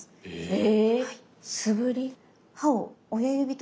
え